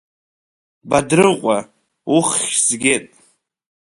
Бадрыҟәа, уххьзгеит!